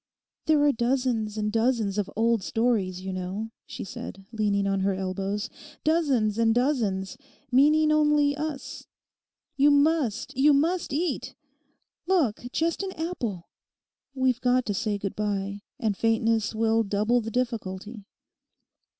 'There are dozens and dozens of old stories, you know,' she said, leaning on her elbows, 'dozens and dozens, meaning only us. You must, you must eat; look, just an apple. We've got to say good bye. And faintness will double the difficulty.